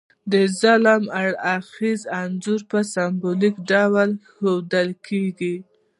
د ظلم هر اړخیز انځور په سمبولیک ډول ښودل کیږي.